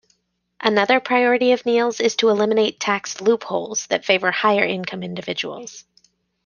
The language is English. Another priority of Neal's is to eliminate tax "loopholes" that favor higher-income individuals.